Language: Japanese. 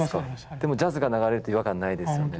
でもジャズが流れると違和感ないですよね。